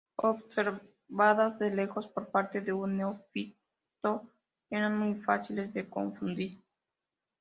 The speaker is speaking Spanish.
Observadas de lejos por parte de un neófito eran muy fáciles de confundir.